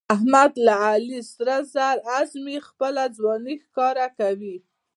احمد له علي سره زور ازمیي، خپله ځواني ښکاره کوي.